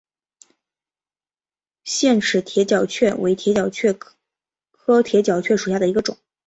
腺齿铁角蕨为铁角蕨科铁角蕨属下的一个种。